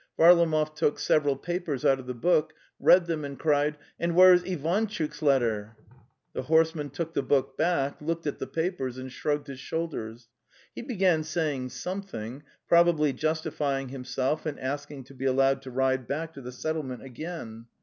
Varlamov took several papers out of the book, read them and cried: '"" And where is Ivantchuk's letter? "' The horseman took the book back, looked at the papers and shrugged his shoulders. He began say ing something, probably justifying himself and ask ing to be allowed to ride back to the settlement again.